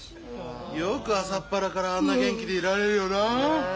よく朝っぱらからあんな元気でいられるよな。